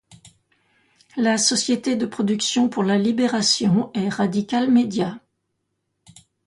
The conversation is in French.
La société de production pour la libération est Radical Media.